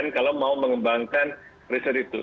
kalau mau mengembangkan riset itu